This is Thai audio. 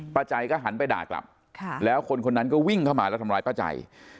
ใจก็หันไปด่ากลับแล้วคนคนนั้นก็วิ่งเข้ามาแล้วทำร้ายป้าใจ